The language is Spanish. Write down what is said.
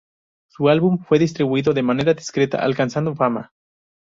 Su álbum fue distribuido de manera discreta alcanzando fama.